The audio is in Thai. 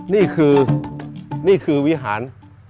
นี่คือนี่คือวิหาร